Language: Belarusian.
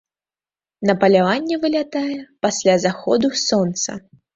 На паляванне вылятае пасля заходу сонца.